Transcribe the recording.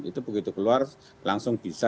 itu begitu keluar langsung bisa